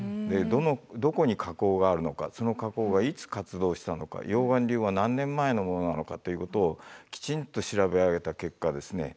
どこに火口があるのかその火口がいつ活動したのか溶岩流は何年前のものなのかということをきちんと調べ上げた結果ですね